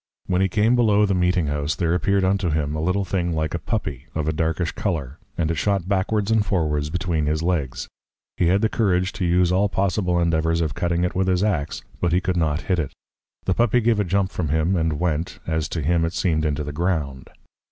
When he came below the Meeting House, there appeared unto him, a little thing like a Puppy, of a Darkish Colour; and it shot backwards and forwards between his Legs. He had the Courage to use all possible Endeavours of Cutting it with his Ax; but he could not Hit it: the Puppy gave a jump from him, and went, as to him it seem'd into the Ground.